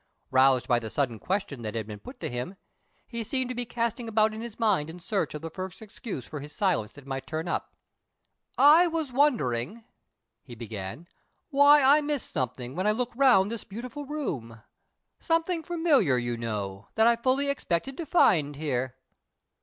Roused by the sudden question that had been put to him, he seemed to be casting about in his mind in search of the first excuse for his silence that might turn up. "I was wondering," he began, "why I miss something when I look round this beautiful room; something familiar, you know, that I fully expected to find here."